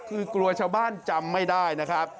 คือกลัวชาวบ้านจำไม่ได้นะครับ